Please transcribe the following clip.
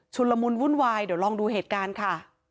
ละมุนวุ่นวายเดี๋ยวลองดูเหตุการณ์ค่ะ